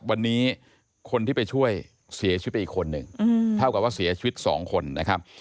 วันนี้คนที่ไปช่วยเสียชีวิตไปอีกคนหนึ่งเท่ากับว่าเสียชีวิตสองคนนะครับ